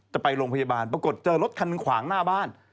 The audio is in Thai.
จะไปโรงพยาบาลปรากฏเจอรถคันหนึ่งขวางหน้าบ้าน